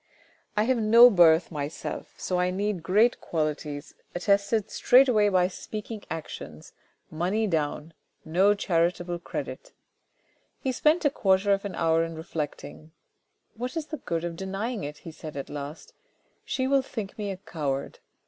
I have IS IT A PLOT? 341 no birth myself, so I need great qualities attested straight away by speaking actions — money down — no charitable credit." He spent a quarter of an hour in reflecting. " What is the good of denying it ?" he said at last. " She will think me a coward.